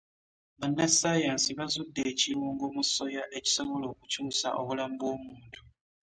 Bannassaayansi bazudde ekirungo mu Ssoya ekisobola okukyusa obulamu bw'omuntu.